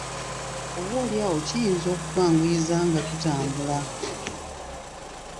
Oboolyawo kiyinza okutwanguyiza nga tutambula.